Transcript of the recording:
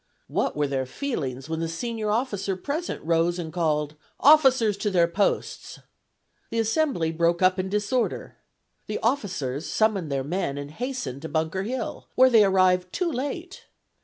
What were their feelings when the senior officer present rose and called, "Officers to their posts!" The assembly broke up in disorder. The officers summoned their men and hastened to Bunker Hill, where they arrived too late!